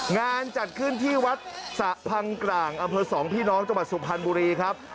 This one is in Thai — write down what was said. งานจัดขึ้นที่วัดสะพังกลางอำเภอสองพี่น้องจังหวัดสุพรรณบุรีครับ